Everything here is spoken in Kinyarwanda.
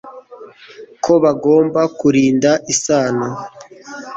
ko bagomba kurinda isano